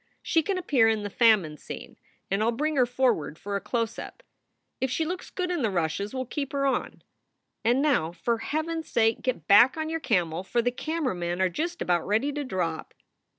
She can appear in the famine scene, and I ll bring her forward for a close up. If she looks good in the rushes, we ll keep her on. And now, for Heaven s sake, get back on your camel, for the camera men are just about ready to drop."